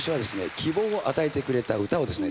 希望を与えてくれた歌をですね